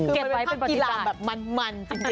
เกลียดภาพกีฬาแบบมันจริงนะครับประติศาสตร์